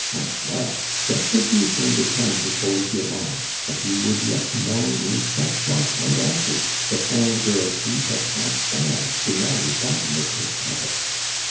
Ah, well, retribution would come to Paul Durand, aiul he would yet mourn in sackcloth and ashes the tine girls ho hail passed by to marry that little puppet."